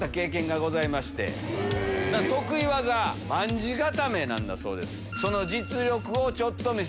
得意技卍固めなんだそうです。